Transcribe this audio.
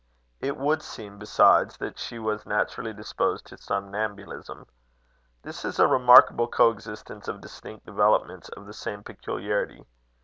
It would seem, besides, that she was naturally disposed to somnambulism. This is a remarkable co existence of distinct developments of the same peculiarity.